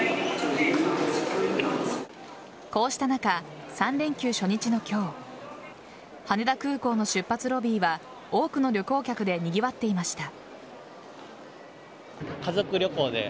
こうした中、３連休初日の今日羽田空港の出発ロビーは多くの旅行客でにぎわっていました。